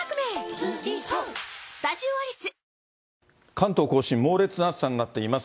関東甲信、猛烈な暑さになっています。